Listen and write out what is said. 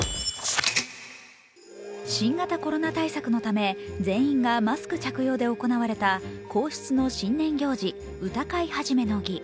新型コロナ対策のため全員がマスク着用で行われた皇室の新年行事、歌会始の儀。